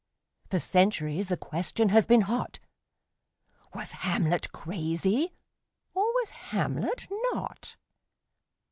For centuries the question has been hot: Was Hamlet crazy, or was Hamlet not?